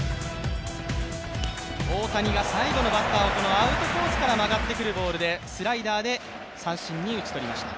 大谷が最後のバッターをアウトコースから曲がってくるボールでスライダーで三振に打ち取りました。